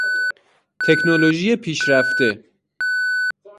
تکنولوژی پیشرفته